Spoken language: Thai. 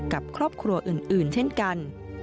กับครอบครัวอื่นเช่นกัน